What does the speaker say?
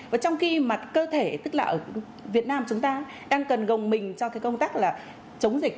và trong khi mặt cơ thể tức là ở việt nam chúng ta đang cần gồng mình cho cái công tác là chống dịch